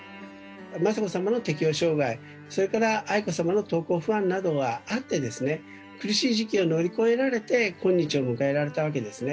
雅子さまの適応障害、それから愛子さまの登校不安などがあって、苦しい時期を乗り越えられて、今日を迎えられたわけですね。